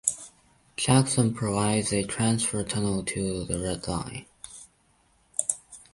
Jackson provides a transfer tunnel to the Red Line.